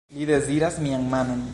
Li deziras mian manon.